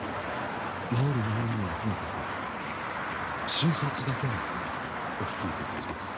治る治らぬはともかく診察だけはお引き受けいたします。